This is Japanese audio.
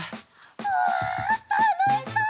うわたのしそう！